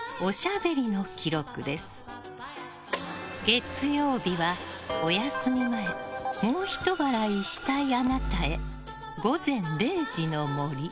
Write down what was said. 月曜日は、お休み前もうひと笑いしたいあなたへ。